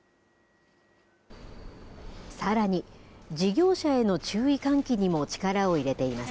さらに事業者への注意喚起にも力を入れています。